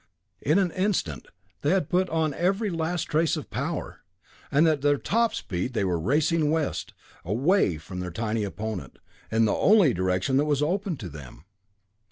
In an instant they had put on every last trace of power, and at their top speed they were racing west, away from their tiny opponent in the only direction that was open to them.